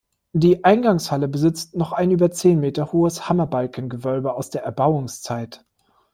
Die Eingangshalle besitzt noch ein über zehn Meter hohes Hammerbalken-Gewölbe aus der Erbauungszeit.